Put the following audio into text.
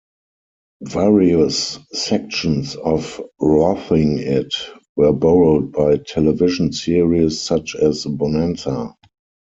Various sections of "Roughing It" were borrowed by television series such as "Bonanza".